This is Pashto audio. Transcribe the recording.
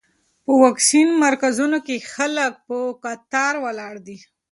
په واکسین مرکزونو کې خلک په کتار ولاړ دي.